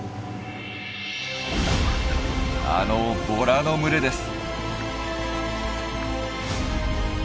あのボラの群れです。